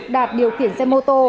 đạt điều kiển xe mô tô